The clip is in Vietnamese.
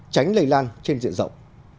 tránh lây lan trên diện rộng